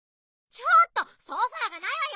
ちょっとソファーがないわよ！